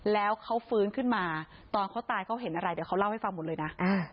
แล้วเขาฟื้นขึ้นมาตอนเขาตายเขาเห็นอะไรเดี๋ยวเขาเล่าให้ฟังหมดเลยนะ